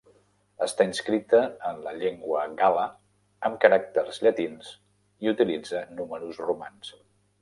Està inscrita en la llengua gala amb caràcters llatins i utilitza números romans.